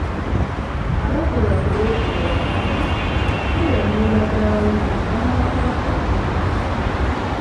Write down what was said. Abakola ku leediyo abamu okukuba ennyimba z’abayimbi bamala kubasaba ssente.